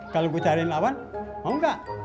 kalau gue cariin lawan mau gak